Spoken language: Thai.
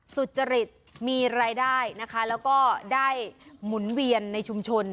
สุจริตมีรายได้นะคะแล้วก็ได้หมุนเวียนในชุมชน